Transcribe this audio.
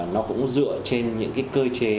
nó cũng dựa trên những cái cơ chế